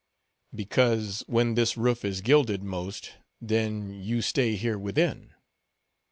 "Because when this roof is gilded most, then you stay here within."